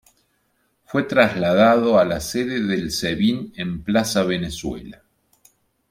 Fue trasladado a la sede del Sebin en Plaza Venezuela.